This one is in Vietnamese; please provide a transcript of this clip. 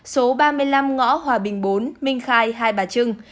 số ba mươi năm ngõ hòa bình bốn minh khai hai bà trưng